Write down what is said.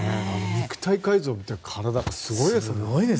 肉体改造の体がすごいですよね。